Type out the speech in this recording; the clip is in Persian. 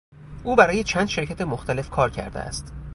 او برای چند شرکت مختلف کار کرده است.